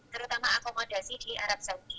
terutama akomodasi di arab saudi